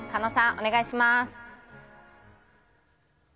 お願いします。